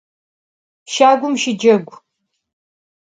Şagum şıcegu!